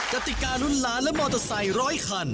กติการุ้นล้านและมอเตอร์ไซค์ร้อยคัน